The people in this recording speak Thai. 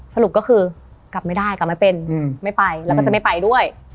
สรุปก็คือกลับไม่ได้กลับไม่เป็นไม่ไปแล้วก็จะไม่ไปด้วย